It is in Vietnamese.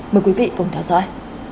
mời quý vị cùng theo dõi